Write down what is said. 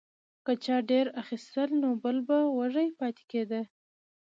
که چا ډیر اخیستل نو بل به وږی پاتې کیده.